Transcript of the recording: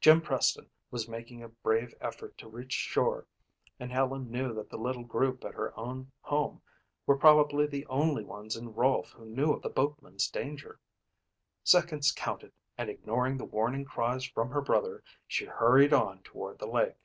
Jim Preston was making a brave effort to reach shore and Helen knew that the little group at her own home were probably the only ones in Rolfe who knew of the boatman's danger. Seconds counted and ignoring the warning cries from her brother, she hurried on toward the lake.